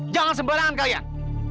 jangan sembarangan kalian